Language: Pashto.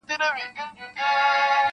o یار به واچوم تارونه نوي نوي و رباب ته,